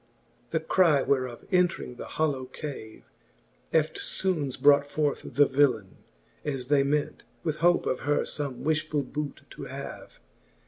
X. The cry whereof entring the hollow cave, Eftfoones brought forth the villaine, as they ment, With hope of her fome wifhfull boote to have.